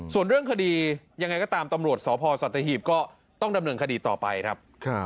ส่วนเรื่องคดียังไงก็ตามตำรวจสพสัตหีบก็ต้องดำเนินคดีต่อไปครับ